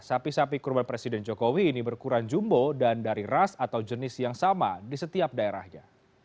sapi sapi kurban presiden jokowi ini berkurang jumbo dan dari ras atau jenis yang sama di setiap daerahnya